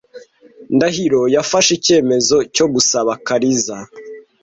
Ndahiro yafashe icyemezo cyo gusaba Kariza .